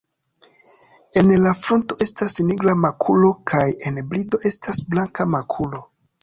En la frunto estas nigra makulo kaj en brido estas blanka makulo.